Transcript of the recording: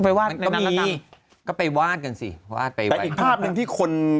ไปวาดนั้นก็ตามก็ไปวาดกันสิวาดไปไว้แต่อีกภาพหนึ่งที่คน